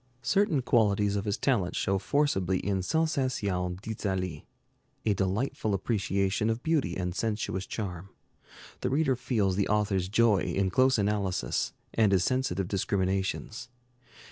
Certain qualities of his talent show forcibly in 'Sensations d'Italie,' a delightful appreciation of beauty and sensuous charm. The reader feels the author's joy in close analysis, and his sensitive discriminations.